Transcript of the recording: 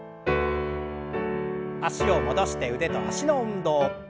脚を戻して腕と脚の運動。